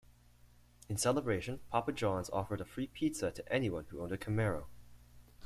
In celebration, Papa John's offered a free pizza to anyone who owned a Camaro.